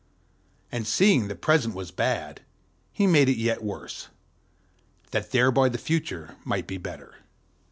And seeing the present was bad, he made it yet worse, that thereby the future might be better.